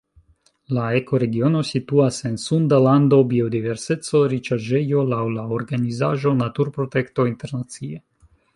La ekoregiono situas en Sunda Lando, biodiverseco-riĉaĵejo laŭ la organizaĵo Naturprotekto Internacie.